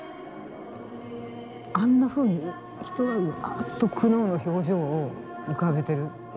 あんなふうに人がうわっと苦悩の表情を浮かべてる。